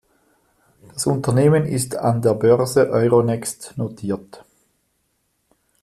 Das Unternehmen ist an der Börse Euronext notiert.